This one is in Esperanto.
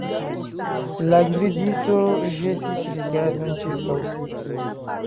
La gvidisto ĵetis rigardon ĉirkaŭ si.